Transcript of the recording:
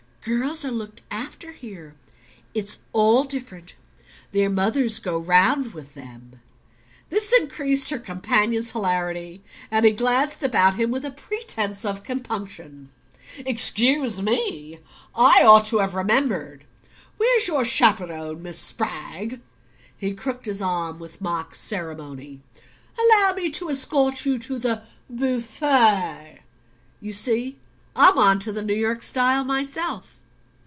"Girls are looked after here. It's all different. Their mothers go round with them." This increased her companion's hilarity and he glanced about him with a pretense of compunction. "Excuse ME! I ought to have remembered. Where's your chaperon, Miss Spragg?" He crooked his arm with mock ceremony. "Allow me to escort you to the bew fay. You see I'm onto the New York style myself."